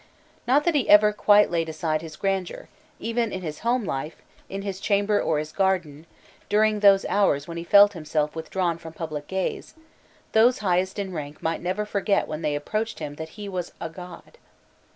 Not that he ever quite laid aside his grandeur; even in his home life, in his chamber or his garden, during those hours when he felt himself withdrawn from public gaze, those highest in rank might never forget when they approached him that he was a god.